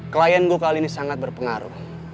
klien gue kali ini sangat berpengaruh